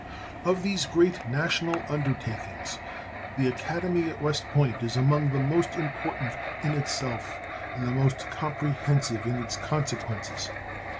Of these great national under takings the Academy at West Point is among the most important in itself and the most comprehensive in its consequences.